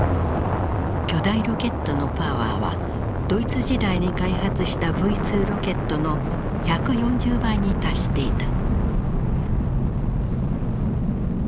巨大ロケットのパワーはドイツ時代に開発したＶ２ロケットの１４０倍に達していた。